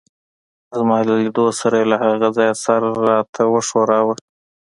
زما له لیدو سره يې له هغه ځایه سر راته وښوراوه.